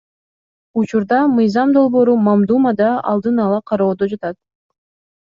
Учурда мыйзам долбоору мамдумада алдын ала кароодо жатат.